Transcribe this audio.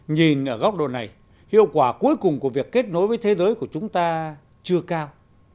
nhìn ở góc độ này hiệu quả cuối cùng của việc kết nối với thế giới của chúng ta chưa cao